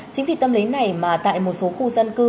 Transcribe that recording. chính vì tâm lý này mà tại một số khu dân cư